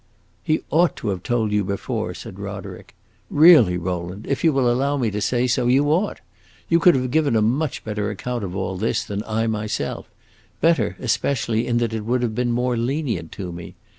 "He ought to have told you before," said Roderick. "Really, Rowland, if you will allow me to say so, you ought! You could have given a much better account of all this than I myself; better, especially, in that it would have been more lenient to me.